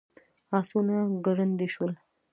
آسونه ګړندي شول.